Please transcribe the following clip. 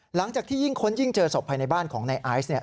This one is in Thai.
หลังจากที่ยิ่งค้นยิ่งเจอศพภายในบ้านของในไอซ์